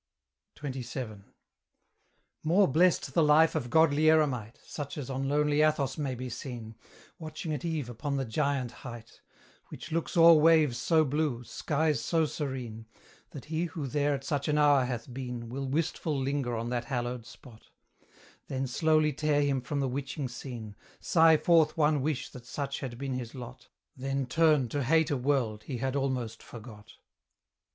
XXVII. More blest the life of godly eremite, Such as on lonely Athos may be seen, Watching at eve upon the giant height, Which looks o'er waves so blue, skies so serene, That he who there at such an hour hath been, Will wistful linger on that hallowed spot; Then slowly tear him from the witching scene, Sigh forth one wish that such had been his lot, Then turn to hate a world he had almost forgot.